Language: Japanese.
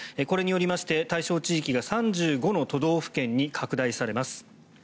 これによりまして対象地域が３５の都道府県に拡大されます。